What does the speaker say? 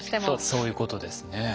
そういうことですね。